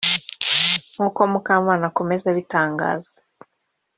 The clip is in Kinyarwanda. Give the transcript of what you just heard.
nk’uko Mukamana akomeza abitangaza